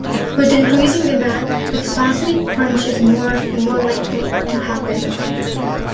With increasing demand, the capacity crunch is more and more likely to happen.